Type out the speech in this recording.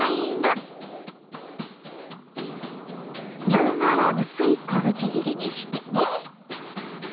みょうがは薄い小口切りにしてね。